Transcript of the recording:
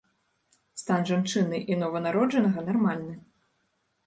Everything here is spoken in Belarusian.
Стан жанчыны і нованароджанага нармальны.